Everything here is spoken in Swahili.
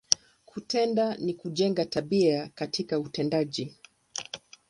Kutenda, ni kujenga, tabia katika utendaji.